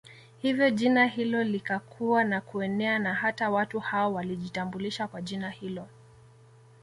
Hivyo jina hilo likakua na kuenea na hata watu hao walijitambulisha kwa jina hilo